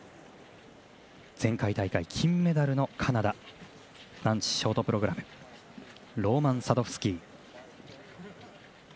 前回大会、金メダルのカナダ男子ショートプログラムロマン・サドフスキー。